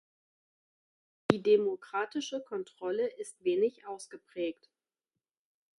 Die demokratische Kontrolle ist wenig ausgeprägt.